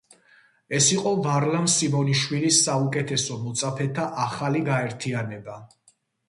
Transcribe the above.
ეს იყო ვარლამ სიმონიშვილის საუკეთესო მოწაფეთა ახალი გაერთიანება.